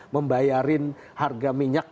membayarin harga minyak